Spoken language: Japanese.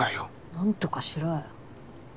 なんとかしろよ。